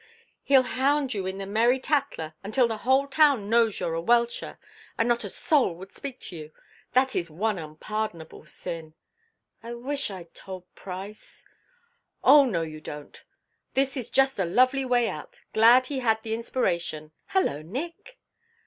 He'll hound you in the Merry Tattler until the whole town knows you're a welcher, and not a soul would speak to you. That is the one unpardonable sin " "I wish I'd told Price " "Oh, no, you don't. This is just a lovely way out. Glad he had the inspiration. Hello, Nick."